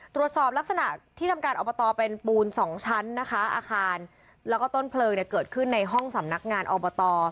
ตรวจสอบลักษณะที่ทำการอบตเป็นปูนสองชั้นนะคะอาคารแล้วก็ต้นเพลิงเนี่ยเกิดขึ้นในห้องสำนักงานอบต